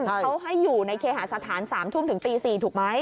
เขาให้อยู่ในเคหาสถาน๓ทุ่มถึงตี๔ถูกไหม